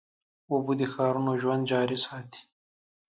اوبه د ښارونو ژوند جاري ساتي.